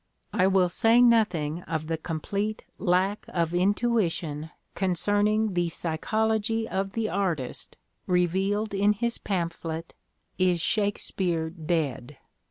I will say nothing of the complete lack of intuition concerning the psychology of the artist revealed in his pamphlet, "Is Shakespeare Dead?"